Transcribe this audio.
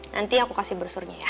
nanti aku kasih brosurnya ya